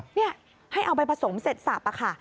นี่ให้เอาไปผสมเสร็จสับค่ะ